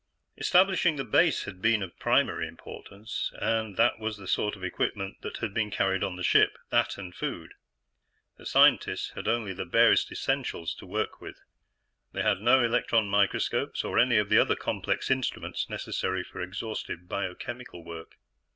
Establishing the base had been of primary importance, and that was the sort of equipment that had been carried on the ship. That and food. The scientists had only the barest essentials to work with; they had no electron microscopes or any of the other complex instruments necessary for exhaustive biochemical work.